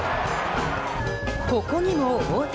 ここにも大谷。